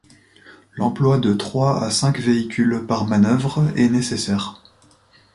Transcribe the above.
L'emploi de trois à cinq véhicules par manœuvre est nécessaire.